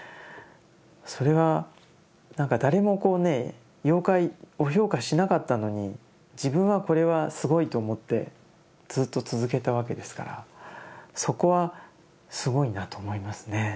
それはなんか誰もこうね妖怪を評価しなかったのに自分はこれはすごいと思ってずっと続けたわけですからそこはすごいなと思いますね